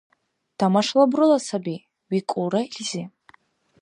— Тамашала бурала саби, — викӀулра илизи.